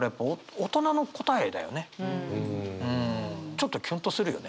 ちょっとキュンとするよね。